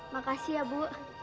makasih ya bu